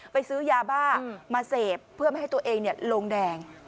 ซื้อยาบ้ามาเสพเพื่อไม่ให้ตัวเองลงแดง